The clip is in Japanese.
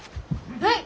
はい！